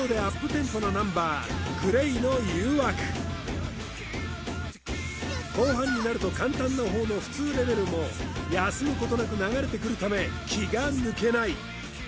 テンポなナンバーＧＬＡＹの「誘惑」後半になると簡単なほうの普通レベルも休むことなく流れてくるため気が抜けない